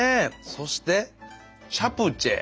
そしてチャプチェ。